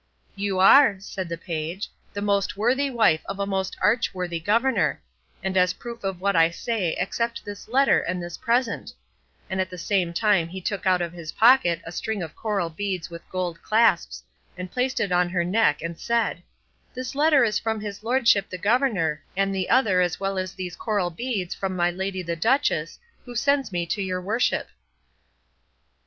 "You are," said the page, "the most worthy wife of a most arch worthy governor; and as a proof of what I say accept this letter and this present;" and at the same time he took out of his pocket a string of coral beads with gold clasps, and placed it on her neck, and said, "This letter is from his lordship the governor, and the other as well as these coral beads from my lady the duchess, who sends me to your worship."